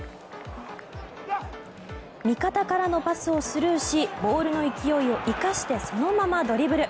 味方からのパスをスルーしボールの勢いを生かしてそのままドリブル。